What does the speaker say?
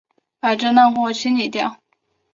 把这烂货清理掉！